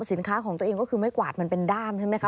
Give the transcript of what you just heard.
สินค้าของตัวเองก็คือไม้กวาดมันเป็นด้ามใช่ไหมคะ